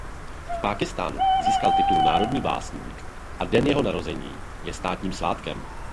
V Pákistánu získal titul "národní básník" a den jeho narození je státním svátkem.